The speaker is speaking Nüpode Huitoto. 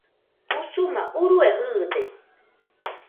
Usuma urue jɨɨde